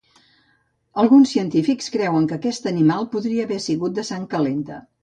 Alguns científics creuen que aquest animal podria haver sigut de sang calenta.